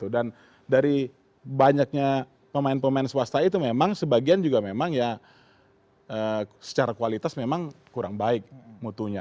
dan dari banyaknya pemain pemain swasta itu memang sebagian juga memang ya secara kualitas memang kurang baik mutunya